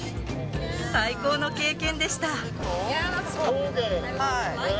最高の経験でした。